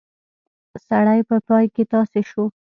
سړی په پای کې تاسی شو.